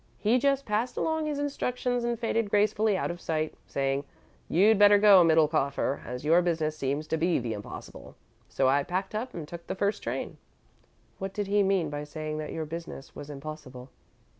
He just passed along his instructions and faded gracefully out of sight, saying: 'You'd better go, Middlekauffer, as your business seems to be the impossible,' so I packed up and took the first train." "What did he mean by saying that your business was impossible?"